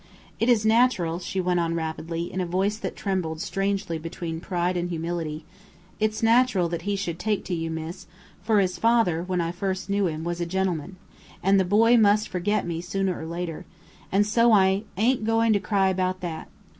"It is natural," she went on, rapidly, in a voice that trembled strangely between pride and humility "it's natural that he should take to you, miss, for his father, when I first knew him, was a gentleman and the boy must forget me, sooner or later and so I ain't goin' to cry about that.